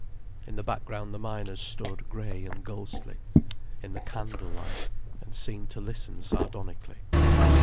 In the background the miners stood grey and ghostly, in the candle light, and seemed to listen sardonically.